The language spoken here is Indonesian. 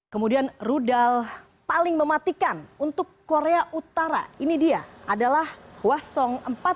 kemudian rudal paling mematikan untuk korea utara ini dia adalah huasong empat